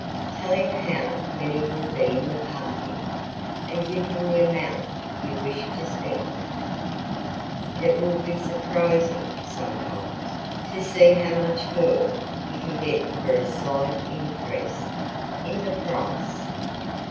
Tell him how many will be in the party and give him the amount you wish to spend. It will be surprising, sometimes, to see how much more you can get for a slight increase in the price.